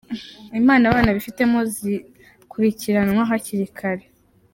Impano abana bifitemo zikurikiranwa hakiri kare